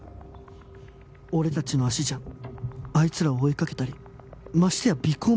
俺たちの足じゃあいつらを追いかけたりましてや尾行も無理だ